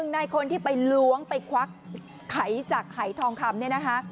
ในคนที่ไปล้วงไปควักไขจากหายทองคำเนี่ยนะคะ